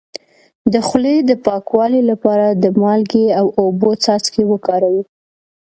د خولې د پاکوالي لپاره د مالګې او اوبو څاڅکي وکاروئ